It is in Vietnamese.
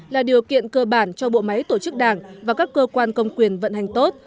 là điều kiện cơ bản cho bộ máy tổ chức đảng và các cơ quan công quyền vận hành tốt